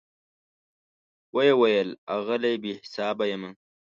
وی ویل آغلې , بي حساب یمه